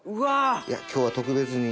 じゃ今日は特別に。